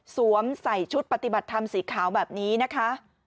สวมใส่ชุดปฏิบัติธรรมสีขาวแบบนี้นะคะ